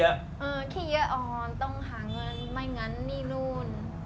อืมคิดเยอะอ่อนต้องหาเงินไม่งั้นนี่นู้น